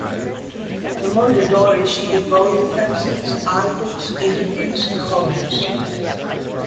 For Mondadori she did volume prefaces, articles, interviews, columns.